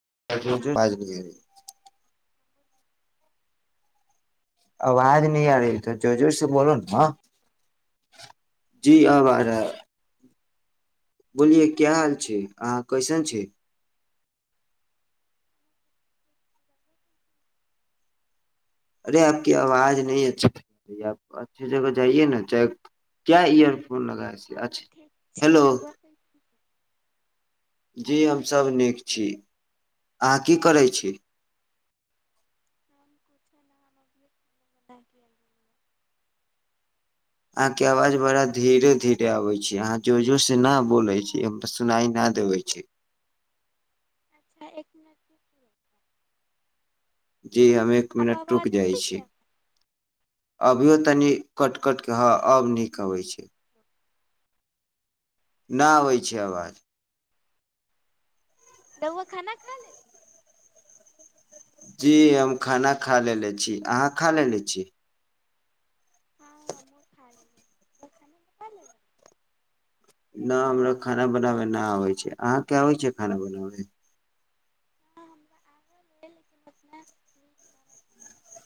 [unintelligible] आवाज नइ आ रहलै तोर जोर जोर से बोलअ आवाज न जी आब आरा है बोलियए क्या हाल छै अहाँ कैसन छै अरे आपक आवाज न अच्छीप अच्छी जगह जाइए न चेक क्या इयरफोन लगा से हम अच्छा ठीक छी हेलो रउआ कैसन छी जी हेलो हमसभ नीक छी अहाँ की करै छी [unintelligible] आहाँ के आवाज बड़ा धीरे धीरे आबे छै अहाँ जोर जोर से ना बोले छी हम त सुनाई ना देबै छै अच्छा एक मिनट जी हममे एक आब मिनट रूक आवाज जाइ आबै छी छै अभियो तनि कट कटके हँ अब नीक अबैत छै न आबै छै अवाज रउआ खाना खा ले जी हम खाना खा लेने छी अहाँ खा लेने छी हँ हँ हमहु खाइ लेल अहाँ खाना लेलिये नहि हमराो खाना बनाबै नहि आबै छै अहाँके आबै छिय खाना बनाबै हँ हमरा आबल अइ लेकिन ओतना नीक ना बना पाएब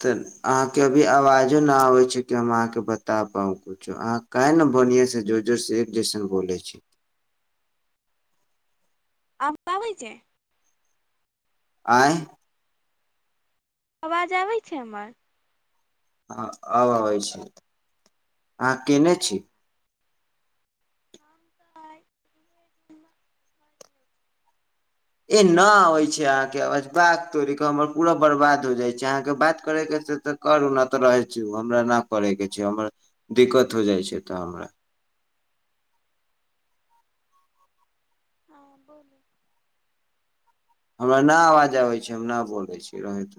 तऽ अहाँके अभी आवाजो न आबे छै कि हम अहाँके बता पाउ कुछो अहाँ कै न बढिया से जोर जोरसँ एक जैसन बोलै छी आब आबै छै आय आवाज आबै छै हमर आब आबै छै आहा केने छी हम तऽ आइ उहे रूममे घरमे छी ए न आबै छै अहाँके अबाज बाक तोड़ी क हमर पूरा बर्बाद हो जाइ छै अहाँके बात करै के से तऽ करू ने तऽ रहै छी हमरा नहि करयके छै हमरा दिक्कत हो जाइ छै तऽ हमरा हँ बोलू हमरा नहि आवाज आबै छै हम ना बोलै छी रहैत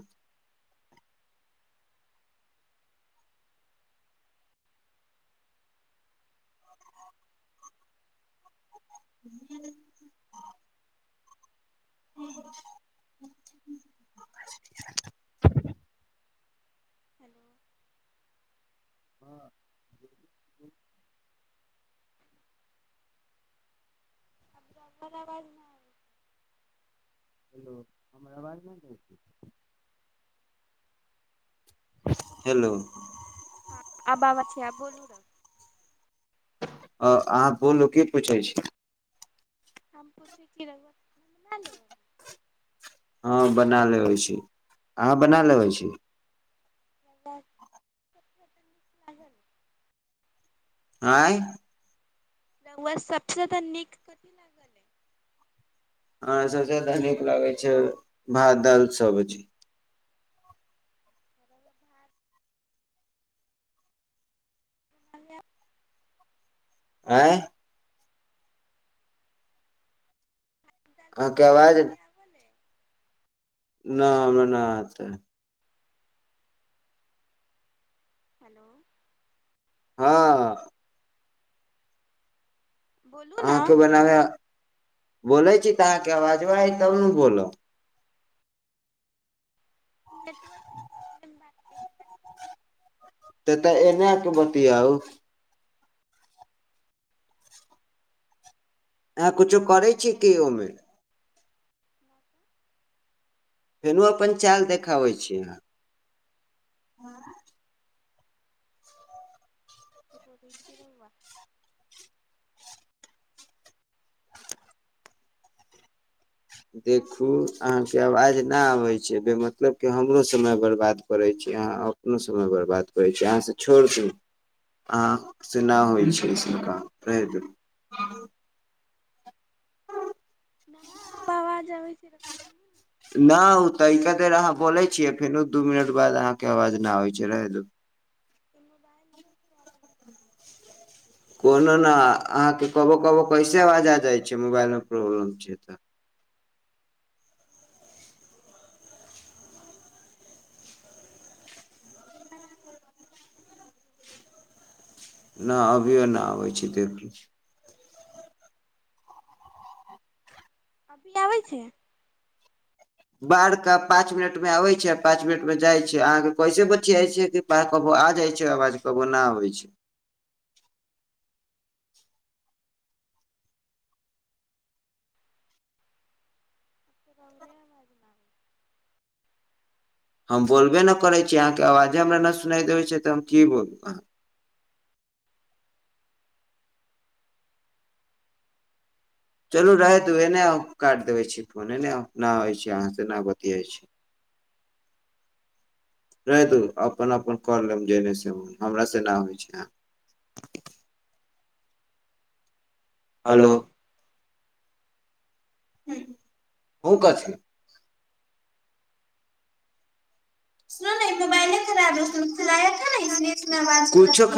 [inaudible] [unintelligible] [inaudible] हँ [unintelligible] हेलो हमर अवाज नइ जाइ रहै छी हेलो हँ आब आबै छै आब बोलू न आ अहाँ बोलू की पूछैत छी हम पूछै छी रौआ खाना खा लेलिये हँ बना लेबै छी अहाँ बना लेबै छी [unintelligible] आँय रौआ सबसे ज्यादा नीक कथि लागलै हमरा सभसँदा नीक लागै छै भात दाइल सब्जी रउआ भात [unintelligible] आय दाल अहाके भुजिया आवाज बनाबे आवल है? न हमरा नहि आत रहे हेलो हँ बोलू न अहाँके बनाबै बोलै छी तऽ अहाँके आवाजो आइत तब ने बोलब नेटवर्क [unintelligible] त तऽ एनेके बतियाउ आहाँ किुछु बोलू करै छी कि ओइमें फेरो अपन चाल देखाबै छी अहाँ कि बजै छी रउआ देखू अहाँके आवाज न आबे छै बेमतलब के हमरो समय बर्बाद करै छी कि अहाँ अपनो समय बर्बाद करै छी अहाँसँ छोड़ि दू अहाँ से नहि होइ छै सुनका रहै दू न हमर आबाज आबै छै रउआ बोलू न नहि ओ तऽ क देर अहाँ बोलै छियै फेरो दू मिनट बाद अहाँके आवाज नहि होइ छै रहैदू ई मोबालमे कब कोनो ने अहाँके कबहु कबहु कैसे आबाज आ जाइ छै मोबाइलमे प्रॉब्लम छै तऽ आ [unintelligible] नहि अभियओ नहि आबै छै देख लीछ अभी आबै छै बाढ़ के पाँच मिनट मे आबै छै पाँंच मिनट मे जाइ छै अहाँके कैसे बचिया छै की बाढ़ क आ जाइ छै आवाज काबो ना आबै छै राउरे अबाज ना आबे छै हम बोलबे ना करै छी अहाँके आवाजे हमरा नहि सुनाय दे होै छै तऽ हम की बोलू अहाँ चलू रहै दु एन्ने आउ काटि देबै छी फोन एन्नऽ आउ नहि होइ छै अहाँसँना बतआइत छै [inaudible] रहे दु अपन अपन क लेम जेने से हमर से नहि होइ छै [inaudible] हलो हेलो ओ कथि सु न मोबाइल नहि खराब खिला न [unintelligible]